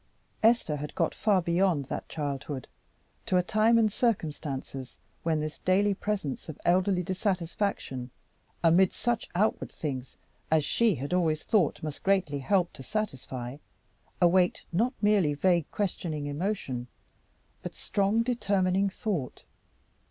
Esther had got far beyond that childhood to a time and circumstances when this daily presence of elderly dissatisfaction amidst such outward things as she had always thought must greatly help to satisfy, awaked, not merely vague questioning emotion, but strong determining thought.